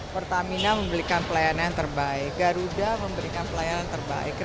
pertamina memberikan pelayanan yang terbaik garuda memberikan pelayanan terbaik